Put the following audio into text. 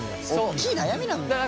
大きい悩みなんだよ。